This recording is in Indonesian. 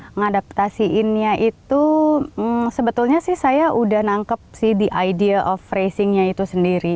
mengadaptasinya itu sebetulnya sih saya udah nangkep sih the idea of racingnya itu sendiri